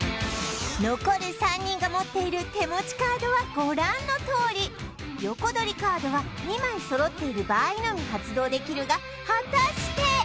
残る３人が持っている手持ちカードはご覧のとおり横取りカードは２枚揃っている場合のみ発動できるが果たして？